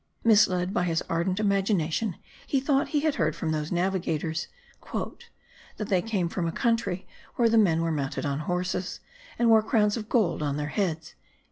Misled by his ardent imagination, he thought he had heard from those navigators, "that they came from a country where the men were mounted on horses,* and wore crowns of gold on their heads."